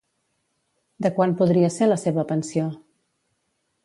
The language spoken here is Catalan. De quant podria ser la seva pensió?